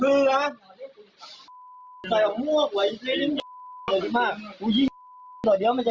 เฮ้ยไปเลย